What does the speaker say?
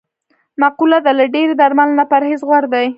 مقوله ده: له ډېری درملو نه پرهېز غور دی.